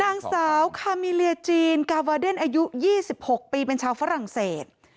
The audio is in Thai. นางสาวคามิเลียจีนกาวาเดนอายุ๒๖ปีเป็นชาวฝรั่งเศส